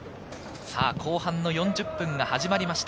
後半の４０分が始まりました。